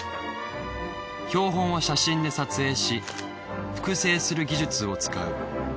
標本は写真で撮影し複製する技術を使う。